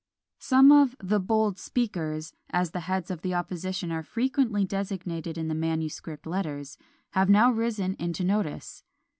Some of "the bold speakers," as the heads of the opposition are frequently designated in the manuscript letters, have now risen into notice.